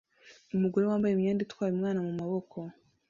Umugore wambaye imyenda itwaye umwana mumaboko